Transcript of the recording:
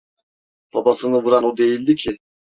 Babasını vuran o değildi ki…